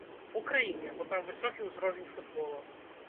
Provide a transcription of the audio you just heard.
Украіне, бо там высокі ўзровень футбола.